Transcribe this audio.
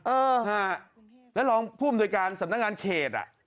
เออฮะแล้วรองผู้อำนวยการสำนักงานเขตอ่ะ